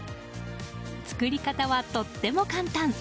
作り方はとっても簡単！